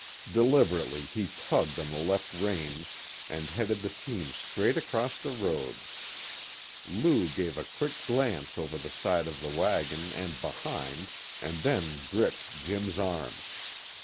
Deliberately he tugged on the left reins and headed the team straight across the road. Lou gave a quick glance over the side of the wagon and behind, and then gripped Jim's arm.